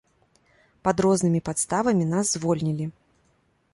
Пад рознымі падставамі нас звольнілі.